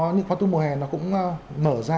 những khóa tu mùa hè nó cũng mở ra